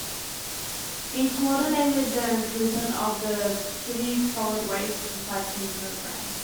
He coordinated the improvement of the city's solid waste recycling program.